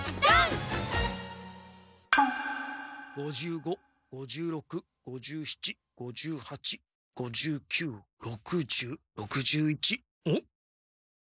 ５５５６５７５８５９６０６１んっ？